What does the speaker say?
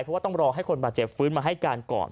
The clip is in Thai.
เพราะว่าต้องรอให้คนบาดเจ็บฟื้นมาให้การก่อน